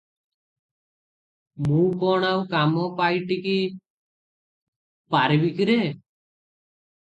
ମୁଁ କଣ ଆଉ କାମ ପାଇଟିକି ପାରିବିକିରେ?